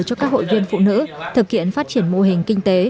cho các hội viên phụ nữ thực hiện phát triển mô hình kinh tế